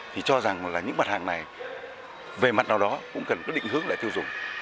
thì cho rằng là những mặt hàng này về mặt nào đó cũng cần có định hướng lại tiêu dùng